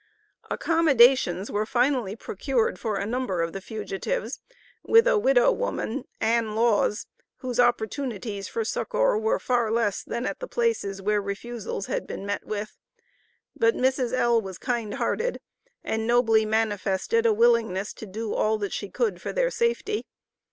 Accommodations were finally procured for a number of the fugitives with a widow woman, (Ann Laws) whose opportunities for succor were far less than at the places where refusals had been met with. But Mrs. L. was kind hearted, and nobly manifested a willingness to do all that she could for their safety.